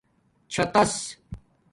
چھاتس